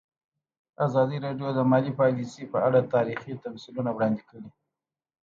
ازادي راډیو د مالي پالیسي په اړه تاریخي تمثیلونه وړاندې کړي.